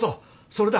それだ！